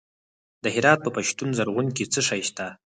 د هرات په پشتون زرغون کې څه شی شته؟